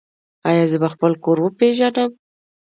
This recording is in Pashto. ایا زه به خپل کور وپیژنم؟